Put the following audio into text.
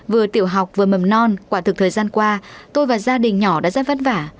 vừa tiểu học vừa mầm non quả thực thời gian qua tôi và gia đình nhỏ đã rất vất vả